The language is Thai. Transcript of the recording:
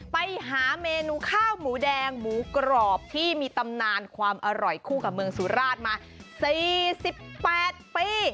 ไปหาเมนูข้าวหมูแดงหมูกรอบที่มีตำนานความอร่อยคู่กับเมืองสุราชมา๔๘ปี